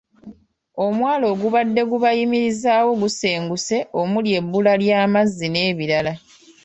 Omwalo ogubadde gubayimirizaawo gusenguse omuli ebbula ly’amazzi n’ebirala.